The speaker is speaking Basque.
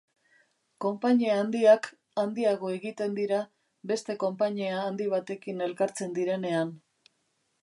Konpainia handiak handiago egiten dira beste konpainia handi batekin elkartzen direnean.